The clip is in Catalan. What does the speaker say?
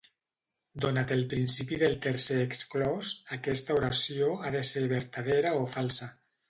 Donat el principi del tercer exclòs, aquesta oració ha de ser vertadera o falsa.